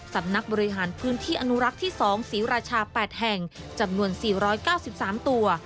สำนักบริหารพื้นที่อนุรักษ์ที่๒ศรีราชา๘แห่งจำนวน๔๙๓ตัว